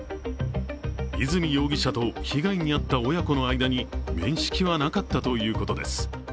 泉容疑者と被害に遭った親子の間に面識はなかったということです。